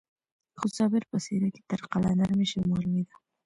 خو صابر په څېره کې تر قلندر مشر معلومېده.